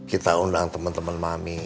kita undang temen temen mami